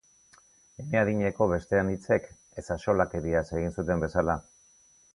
Ene adineko beste anitzek ezaxolakeriaz egin zuten bezala.